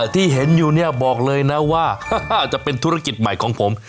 ที่เห็นอยู่เนี่ยบอกเลยนะว่าจะเป็นธุรกิจใหม่ของผม